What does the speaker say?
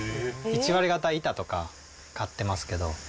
１割がた、板とか買ってますけど。